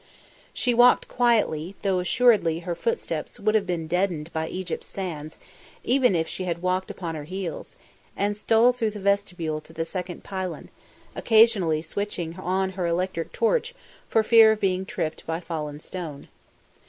She walked quietly, though assuredly her footsteps would have been deadened by Egypt's sands even if she had walked upon her heels, and stole through the vestibule to the second pylon, occasionally switching on her electric torch for fear of being tripped by fallen stone.